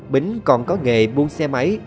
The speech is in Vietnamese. bính còn có nghề buôn xe máy